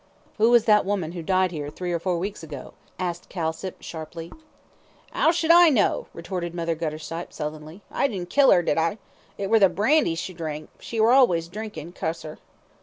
"Who was that woman who died here three or four weeks ago?" asked Kilsip, sharply. "'Ow should I know?" retorted Mother Guttersnipe, sullenly. "I didn't kill 'er, did I? It were the brandy she drank; she was allays drinkin', cuss her."